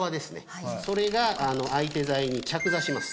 それが相手材に着座します。